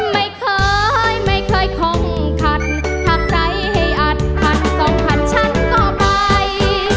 ไม่เคยไม่เคยค่องขัดถ้าใครให้อัดพันสองพันฉันก็ไป